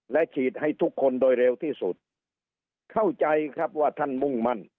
และฉีดให้ทุกคนโดยเร็วที่สุดเข้าใจครับว่าท่านมุ่งมั่น